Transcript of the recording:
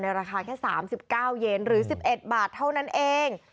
ราคาแค่๓๙เย็นหรือ๑๑บาทเท่านั้นเอง